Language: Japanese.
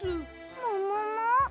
ももも？